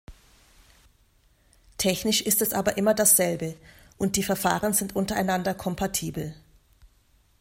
Technisch ist es aber immer dasselbe, und die Verfahren sind untereinander kompatibel.